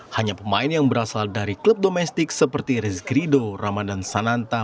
hanya pemain yang berasal dari klub domestik seperti rizkrido ramadan sananta